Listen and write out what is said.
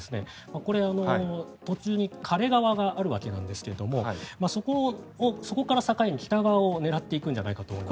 これは途中に枯れ川があるんですがそこから境に北側を狙っていくんじゃないかと思います。